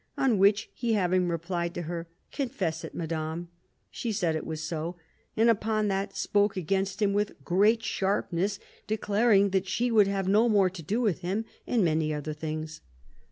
On which he having replied to her, ' Confess it, madame,' she said it was so, and upon that spoke against him with great sharpness, declaring that she would have no more to do with him, and many other things."